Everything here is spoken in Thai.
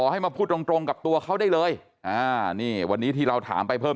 ให้มาพูดตรงตรงกับตัวเขาได้เลยอ่านี่วันนี้ที่เราถามไปเพิ่ม